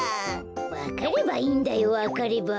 わかればいいんだよわかれば。